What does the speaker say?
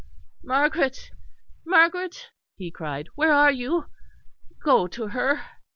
"Margaret, Margaret," he cried. "Where are you? Go to her."